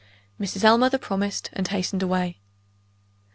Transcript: Mrs. Ellmother promised, and hastened away.